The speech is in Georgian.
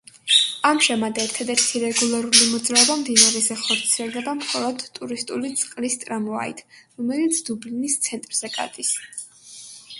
ამჟამად ერთადერთი რეგულარული მოძრაობა მდინარეზე ხორციელდება მხოლოდ ტურისტული წყლის ტრამვაით, რომელიც დუბლინის ცენტრზე გადის.